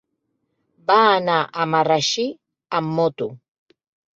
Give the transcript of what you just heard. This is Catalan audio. Va anar a Marratxí amb moto.